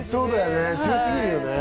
強すぎるよね。